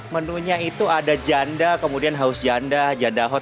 menunya itu ada janda kemudian haus janda janda hot